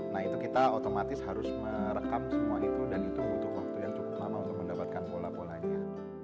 nah itu kita otomatis harus merekam semua itu dan itu butuh waktu yang cukup lama untuk mendapatkan pola polanya